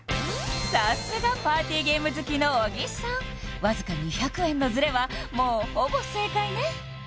さすがパーティーゲーム好きの小木さんわずか２００円のズレはもうほぼ正解ね